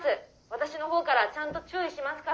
私のほうからちゃんと注意しますから」。